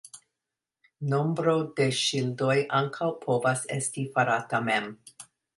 Nombro de ŝildoj ankaŭ povas esti farata mem.